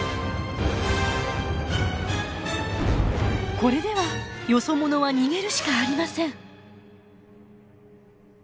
これではよそ者は逃げるしかありません。